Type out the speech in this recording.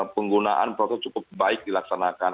penggunaan protokol cukup baik dilaksanakan